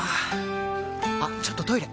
あっちょっとトイレ！